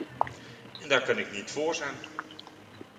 En daar kan ik niet vóór zijn.